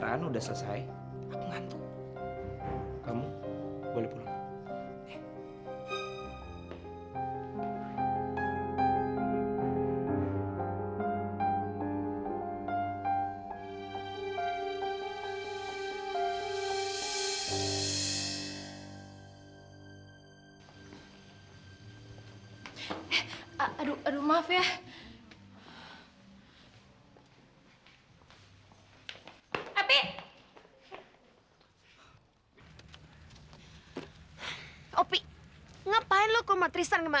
aku mau balikan sama kamu